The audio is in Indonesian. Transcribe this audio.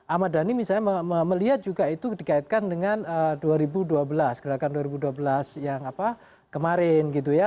ahmad dhani misalnya melihat juga itu dikaitkan dengan dua ribu dua belas gerakan dua ribu dua belas yang kemarin gitu ya